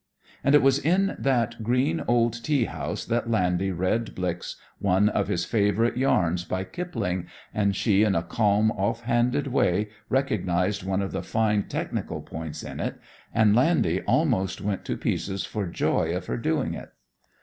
And it was in that green old tea house that "Landy" read "Blix" one of his favorite yarns by Kipling, and she in a calm, off handed way, recognized one of the fine, technical points in it, and "Landy" almost went to pieces for joy of her doing it.